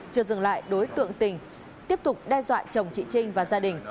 trừ dừng lại đối tượng tỉnh tiếp tục đe dọa chồng chị trinh và gia đình